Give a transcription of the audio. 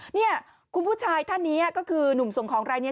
เนี่ยคุณผู้ชายท่านนี้ก็คือหนุ่มส่งของรายนี้